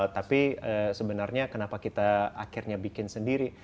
tapi sebenarnya kenapa kita akhirnya bikin sendiri